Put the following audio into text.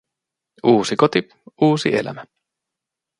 Uusi koti, uusi elämä.